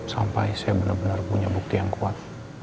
sampai saya benar benar punya bukti yang kuat